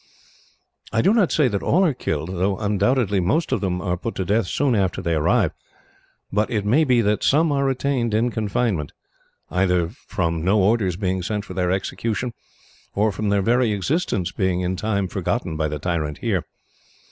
"I do not say that all are killed, though undoubtedly most of them are put to death soon after they arrive; but it may be that some are retained in confinement, either from no orders being sent for their execution, or from their very existence being, in time, forgotten by the tyrant here.